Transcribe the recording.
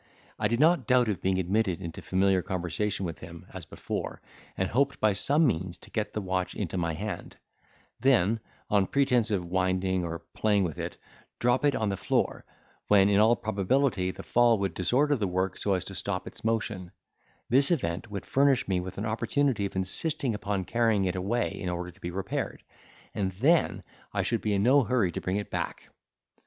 I did not doubt of being admitted into familiar conversation with him, as before, and hoped by some means to get the watch into my hand; then, on pretence of winding or playing with it, drop it on the floor, when, in all probability, the fall would disorder the work so as to stop its motion; this event would furnish me with an opportunity of insisting upon carrying it away in order to be repaired, and then I should be in no hurry to bring it back.